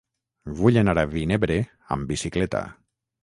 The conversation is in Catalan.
Vull anar a Vinebre amb bicicleta.